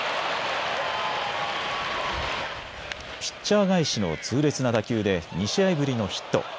ピッチャー返しの痛烈な打球で２試合ぶりのヒット。